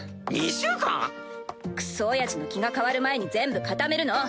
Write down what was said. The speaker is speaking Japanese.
２週間⁉クソおやじの気が変わる前に全部固めるの。